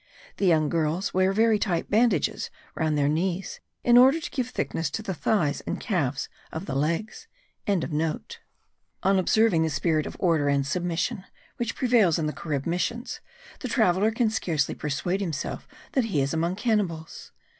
The young girls wear very tight bandages round their knees in order to give thickness to the thighs and calves of the legs.]) On observing the spirit of order and submission which prevails in the Carib missions, the traveller can scarcely persuade himself that he is among cannibals.